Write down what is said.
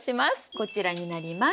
こちらになります。